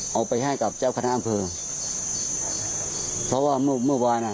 เอาไปให้กับเจ้าคณะอำเภอเพราะว่าเมื่อเมื่อวานอ่ะ